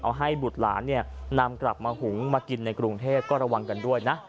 เอาให้บุตรหลานนำกลับมาหุงมากินในกรุงเทพก็ระวังกันด้วยนะ